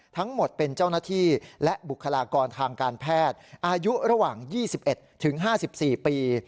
ทั้งหมดเป็นเจ้าหน้าที่และบุคลากรทางการแพทย์อายุระหว่าง๒๑๕๔ปี